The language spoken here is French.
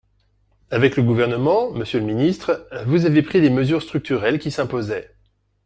Avec le Gouvernement, monsieur le ministre, vous avez pris les mesures structurelles qui s’imposaient.